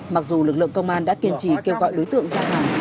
mặc dù lực lượng công an đã kiên trì kêu gọi đối tượng ra hàng